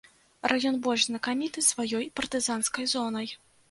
Раён больш знакаміты сваёй партызанскай зонай.